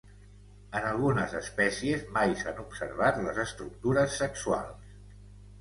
En algunes espècies mai s'han observat les estructures sexuals.